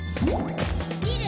「みる！